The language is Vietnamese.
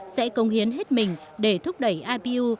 sẽ công hiến hết mình để thúc đẩy ipu